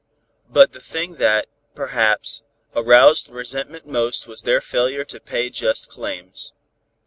"But the thing that, perhaps, aroused resentment most was their failure to pay just claims.